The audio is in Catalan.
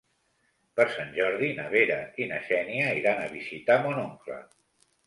Per Sant Jordi na Vera i na Xènia iran a visitar mon oncle.